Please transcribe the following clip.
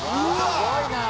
「すごいなあ！」